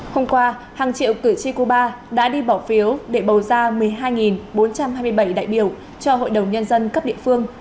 hôm qua hàng triệu cử tri cuba đã đi bỏ phiếu để bầu ra một mươi hai bốn trăm hai mươi bảy đại biểu cho hội đồng nhân dân cấp địa phương